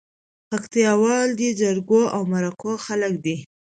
پکتياوال دي جرګو او مرکو خلک دي